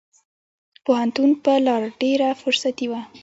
پوهنتون په لار ډېره فرصتي وه.